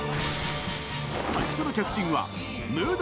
最初の客人はムード